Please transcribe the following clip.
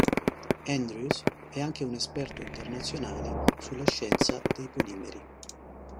Andrews è anche un esperto internazionale sulla scienza dei polimeri.